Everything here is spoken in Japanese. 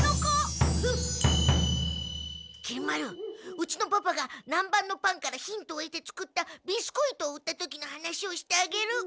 うちのパパが南蛮のパンからヒントをえて作ったビスコイトを売った時の話をしてあげる。